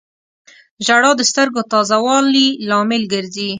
• ژړا د سترګو تازه والي لامل ګرځي.